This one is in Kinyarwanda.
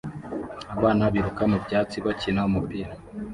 Abana biruka mu byatsi bakina umupira